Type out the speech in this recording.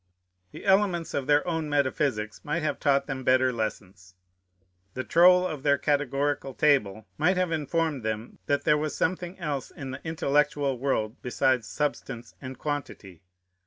The elements of their own metaphysics might have taught them better lessons. The troll of their categorical table might have informed them that there was something else in the intellectual world besides substance and quantity.